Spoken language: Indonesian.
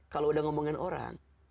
kalau udah ngomongin orang